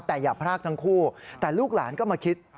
แต่อย่าพรากทั้งคู่แต่ลูกหลานก็มาคิด